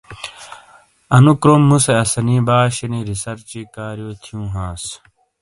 انو کروم مُوسے اسانی باشینی ریسرچی کاریو تھیوں ہانس۔